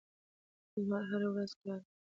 لمر هره ورځ کار کوي.